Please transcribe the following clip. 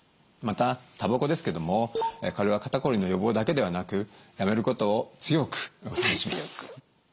またたばこですけどもこれは肩こりの予防だけではなくやめることを強くお勧めします。